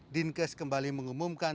dinkes kembali mengumumkan